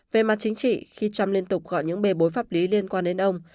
về mặt chính trị khi trump liên tục gọi những bề bối pháp lý liên quan đến ông